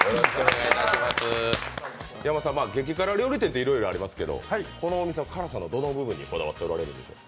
激辛料理店っていろいろありますけれども、このお店は辛さのどの部分にこだわっていらっしゃるんでしょう。